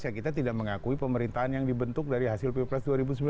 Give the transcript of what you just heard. ya kita tidak mengakui pemerintahan yang dibentuk dari hasil pilpres dua ribu sembilan belas